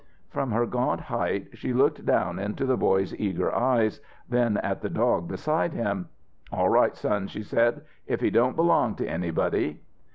From her gaunt height she looked down into the boy's eager eyes, then at the dog beside him. "All right, son," she said. "If he don't belong to anybody."